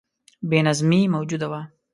بې نظمي موجوده ده.